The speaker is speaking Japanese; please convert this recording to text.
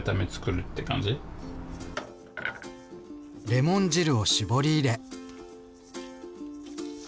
レモン汁を搾り入れ。